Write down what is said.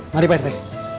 mari pak rete